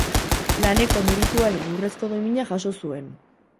Laneko Merituaren Urrezko Domina jaso zuen.